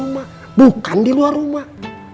makan di luar rumah